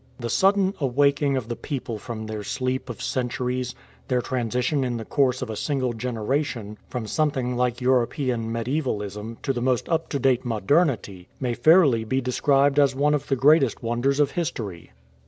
The sudden awaking of the people from their sleep of cen turies, their transition in the course of a single generation from something like European medievalism to the most up to date modernity, may fairly be described as one of the greatest wonders of history.